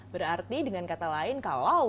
berarti dengan kata lain kalau